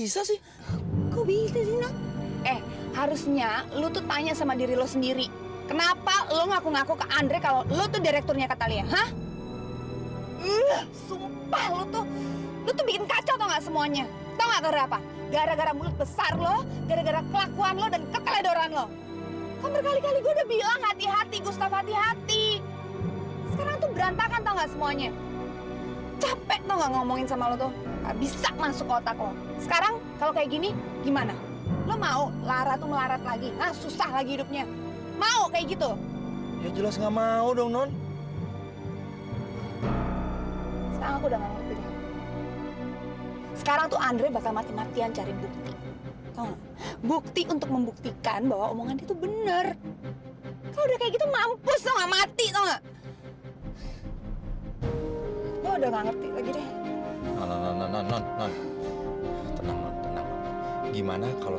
sampai jumpa di video selanjutnya